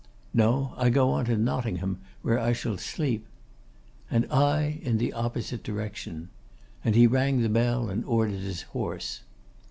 'No; I go on to Nottingham, where I shall sleep.' 'And I in the opposite direction.' And he rang the bell, and ordered his horse.